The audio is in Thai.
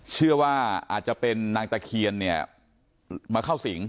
เชื่อว่าอาจจะเป็นนางตะเคียนเนี่ยมาเข้าสิง